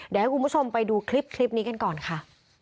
เดี๋ยวให้คุณผู้ชมไปดูคลิปนี้กันก่อนค่ะ